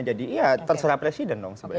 jadi ya terserah presiden dong sebenarnya